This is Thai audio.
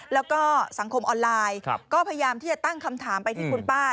แล้วก็สังคมออนไลน์ก็พยายามที่จะตั้งคำถามไปที่คุณป้า